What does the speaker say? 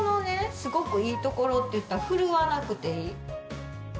すごくいいところといったらふるわなくていい。